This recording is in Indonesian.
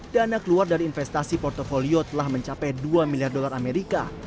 dana keluar dari investasi portfolio telah mencapai dua miliar dolar amerika